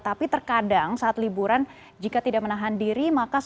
tapi terkadang saat liburan jika tidak menahan diri maka saldo di rekening pun ya tidak bisa